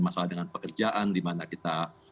masalah dengan pekerjaan di mana kita